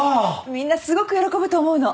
みんなすごく喜ぶと思うの。